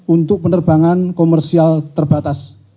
untuk penerbangan komersial terbatas